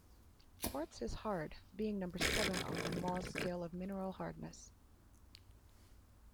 Quartz is hard, being number seven on the Mohs scale of mineral hardness.